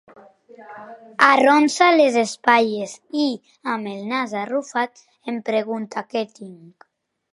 Arronsa les espatlles i, amb el nas arrufat, em pregunta què tinc.